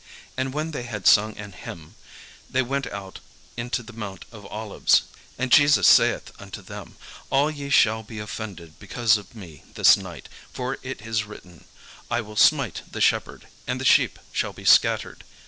And when they had sung an hymn, they went out into the mount of Olives. And Jesus saith unto them, "All ye shall be offended because of me this night: for it is written, 'I will smite the shepherd, and the sheep shall be scattered.'